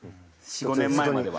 ４５年前までは。